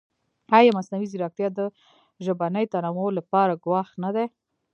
ایا مصنوعي ځیرکتیا د ژبني تنوع لپاره ګواښ نه دی؟